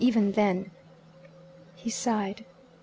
Even then." He sighed.